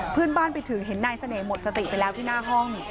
เพื่อนบ้านไปถึงเห็นนายเสน่หหมดสติไปแล้วที่หน้าห้อง